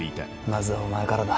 まずはお前からだ。